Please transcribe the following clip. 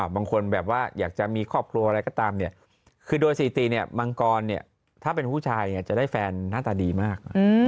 บางคนแบบว่าอยากจะมีครอบครัวอะไรก็ตามเนี่ยคือโดยสถิติเนี่ยมังกรถ้าเป็นผู้ชายจะได้แฟนหน้าตาดีมาก